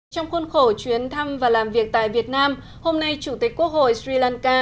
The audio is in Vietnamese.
trong khuôn khổ chuyến thăm và làm việc tại việt nam hôm nay chủ tịch quốc hội sri lanka